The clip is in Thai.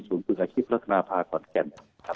ศูนย์ศึกอาชีพลักษณาภาคอนแก่น